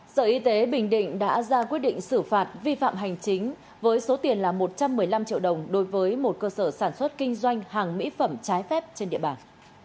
sở y tế bình định đã ra quyết định xử phạt vi phạm hành chính với số tiền là một trăm một mươi năm triệu đồng đối với một cơ sở sản xuất kinh doanh hàng mỹ phẩm trái phép trên địa bàn